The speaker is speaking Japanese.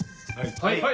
はい。